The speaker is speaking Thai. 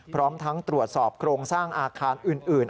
พร้อมทั้งตรวจสอบโครงสร้างอาคารอื่น